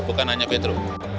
bukan hanya petro